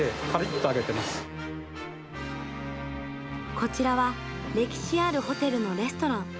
こちらは歴史あるホテルのレストラン。